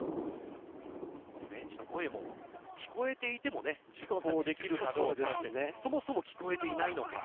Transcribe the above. ベンチの声も、聞こえていても実行できるかどうか、そもそも聞こえていないのか。